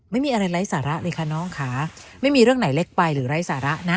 ไม่มีอะไรไร้สาระเลยค่ะน้องค่ะไม่มีเรื่องไหนเล็กไปหรือไร้สาระนะ